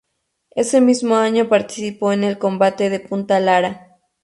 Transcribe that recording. Ese mismo año participó en el Combate de Punta Lara.